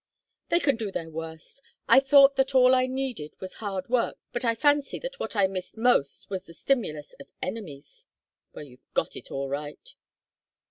"They can do their worst. I thought that all I needed was hard work, but I fancy that what I missed most was the stimulus of enemies." "Well, you've got it all right."